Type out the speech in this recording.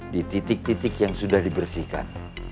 di titik titik yang sudah dibersihkan